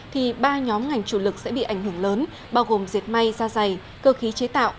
thì ba nhóm ngành chủ lực sẽ bị ảnh hưởng lớn bao gồm diệt may da dày cơ khí chế tạo